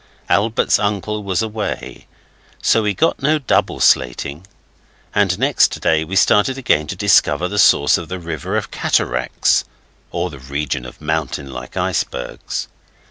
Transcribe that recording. Albert's uncle was away so we got no double slating; and next day we started again to discover the source of the river of cataracts (or the region of mountain like icebergs).